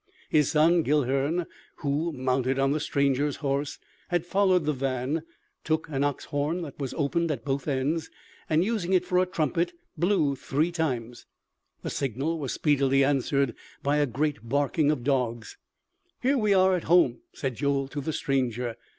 His son, Guilhern, who, mounted on the stranger's horse, had followed the van, took an ox horn that was opened at both ends, and using it for a trumpet blew three times. The signal was speedily answered by a great barking of dogs. "Here we are at home!" said Joel to the stranger.